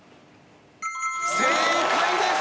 正解です！